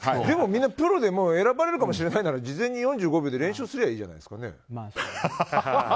でもみんなプロで選ばれるかもしれないなら事前に４５秒で練習すりゃいいじゃないですかね。